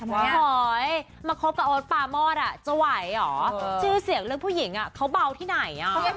หอยมาคบกับโอ๊ตปาโมดจะไหวเหรอชื่อเสียงเรื่องผู้หญิงเขาเบาที่ไหน